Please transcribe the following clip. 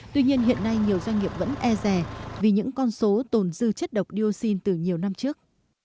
tuy nhiên hiện nay nhiều doanh nghiệp vẫn e rè vì những con số tồn dư chất độc dioxin từ nhiều năm trước